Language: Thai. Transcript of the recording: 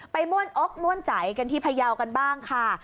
ม่วนอกม่วนใจกันที่พยาวกันบ้างค่ะ